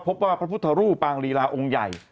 พระพุทธรูปปางลีลาองค์ใหญ่